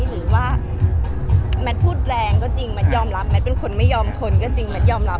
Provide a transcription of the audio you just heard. หรือว่าแมทพูดแรงก็จริงแมทยอมรับแมทเป็นคนไม่ยอมทนก็จริงแมทยอมรับ